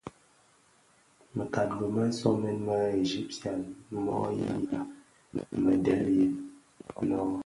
Mëkangi më somèn më Egyptien mo yinnya mëdhèliyèn no?